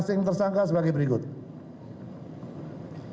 asli masyarakat sosial sebelum kejadian normat